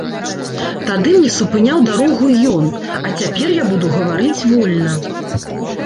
Тады мне супыняў дарогу ён, а цяпер я буду гаварыць вольна.